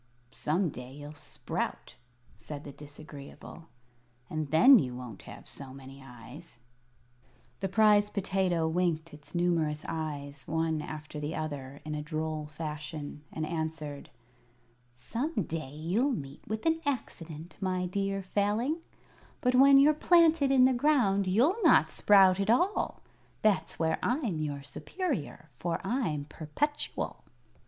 "Some day you'll sprout," said the Disagreeable, "and then you won't have so many eyes." [Illustration: THE CASTLE OF PHREEX] The Prize Potato winked its numerous eyes, one after the other, in a droll fashion, and answered: "Some day you'll meet with an accident, my dear Failing; but when you're planted in the ground you'll not sprout at all. That's where I'm your superior, for I'm perpetual.